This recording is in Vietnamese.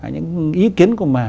những ý kiến của bà